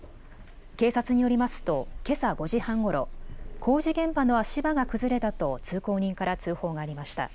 警察によりますとけさ５時半ごろ工事現場の足場が崩れたと通行人から通報がありました。